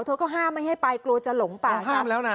เธอก็ห้ามไม่ให้ไปกลัวจะหลงป่าค่ะ